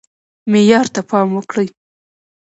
معیار ته پام وکړئ